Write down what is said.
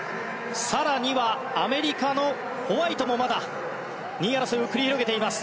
更にはアメリカのホワイトもまだ２位争いを繰り広げています。